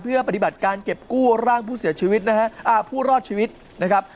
เพื่อปฏิบัติการเก็บกู้ร่างผู้รอดชีวิตนะครับ